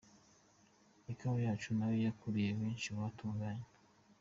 Ikawa yacu nayo yakuruye benshi mu batugannye.